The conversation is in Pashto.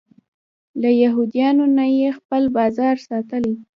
له یهودیانو نه یې خپل بازار ساتلی.